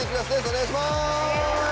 お願いします！